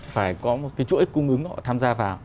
phải có một cái chuỗi cung ứng họ tham gia vào